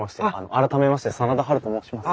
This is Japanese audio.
改めまして真田ハルと申します。